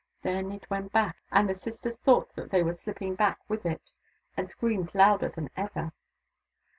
Then it went back, and the sisters thought that they were sHpping back with it, and screamed louder than ever.